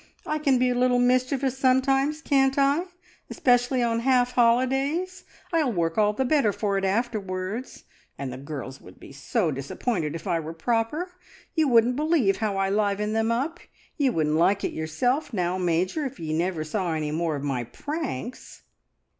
I can be a little mischievous sometimes, can't I especially on half holidays? I'll work all the better for it afterwards. And the girls would be so disappointed if I were proper. You wouldn't believe how I liven them up. Ye wouldn't like it yourself, now, Major, if ye never saw any more of my pranks!"